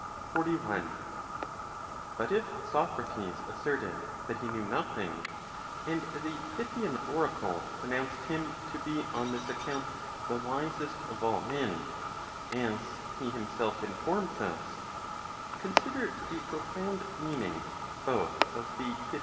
41. But if Socrates asserted that he knew nothing, and the Pythian oracle pronounced him to be on this account the wisest of all men, as he himself informs us, consider the profound meaning both of the Pythian 1 too oogwou wrigaargo nfi owra.